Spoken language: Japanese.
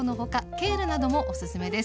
ケールなどもおすすめです。